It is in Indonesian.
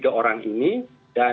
dan dua orang yang tidak